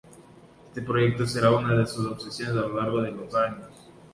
Este proyecto será una de sus obsesiones a lo largo de los años.